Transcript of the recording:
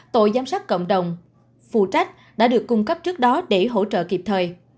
tổ giám sát cộng đồng phụ trách đã được cung cấp trước đó để hỗ trợ kịp thời